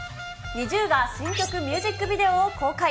ＮｉｚｉＵが新曲ミュージックビデオを公開。